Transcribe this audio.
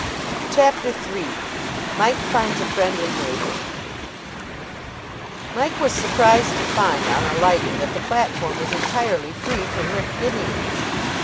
CHAPTER III MIKE FINDS A FRIENDLY NATIVE Mike was surprised to find, on alighting, that the platform was entirely free from Wrykynians.